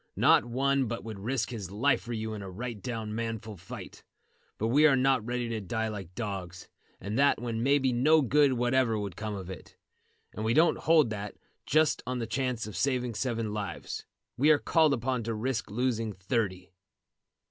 Not one but would risk his life for you in a right down manful fight. But we are not ready to die like dogs, and that when maybe no good whatever would come of it; and we don't hold that, just on the chance of saving seven lives, we are called upon to risk losing thirty."